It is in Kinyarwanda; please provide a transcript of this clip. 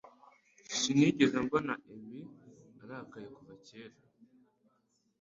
Sinigeze mbona ibi arakaye kuva kera.